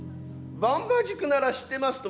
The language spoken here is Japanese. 番場宿なら知ってますとも。